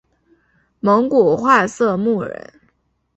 蒙古化色目人。